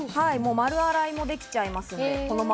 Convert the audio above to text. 丸洗いもできちゃいます。